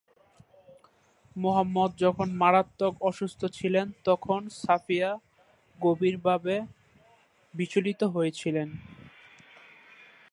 মুহাম্মাদ যখন মারাত্মক অসুস্থ ছিলেন, তখন সাফিয়া গভীরভাবে বিচলিত হয়েছিলেন।